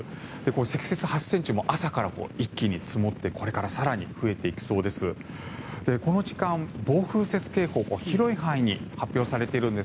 積雪８ｃｍ朝から一気に積もってこれから更に増えていきそうです。